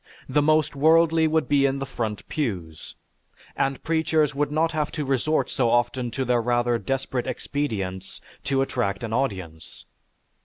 The most worldly would be in the front pews, and preachers would not have to resort so often to their rather desperate expedients to attract an audience.